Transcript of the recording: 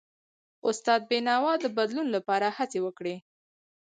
استاد بینوا د بدلون لپاره هڅې وکړي.